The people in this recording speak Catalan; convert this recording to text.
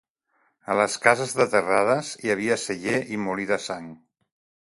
A les cases de Terrades hi havia celler i molí de sang.